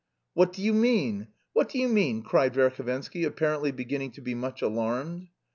"What do you mean? What do you mean?" cried Verhovensky, apparently beginning to be much alarmed.